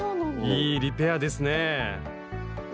いいリペアですねねえ